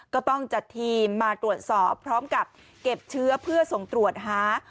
ก็ต้องจัดทีมมาตรวจสอบพร้อมกับเก็บเชื้อเพื่อส่งตรวจหา